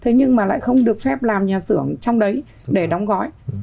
thế nhưng mà lại không được phép làm nhà xưởng trong đấy để đóng gói